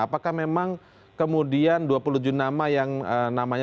apakah memang kemudian dua puluh tujuh nama yang namanya